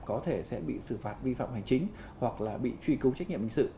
có thể sẽ bị xử phạt vi phạm hành chính hoặc là bị truy cứu trách nhiệm hình sự